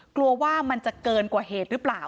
กลัวว่ามันจะเกินกว่าเหตุหรือเปล่า